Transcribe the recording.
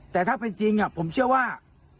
แต่ถ้าเป็นจริงผมเชื่อว่า